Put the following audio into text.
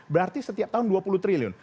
berarti setiap tahun dua puluh triliun